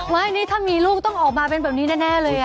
ว่าอันนี้ถ้ามีลูกต้องออกมาเป็นแบบนี้แน่เลยอะ